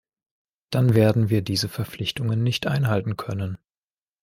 Dann werden wir diese Verpflichtung nicht einhalten können.